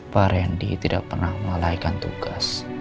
pak randy tidak pernah melalaikan tugas